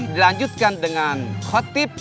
dilanjutkan dengan khotib